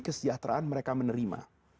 kesejahteraan mereka menerima